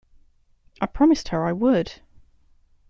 I promised her I would.